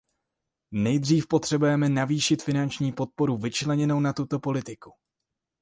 Nejdříve potřebujeme navýšit finanční podporu vyčleněnou na tuto politiku.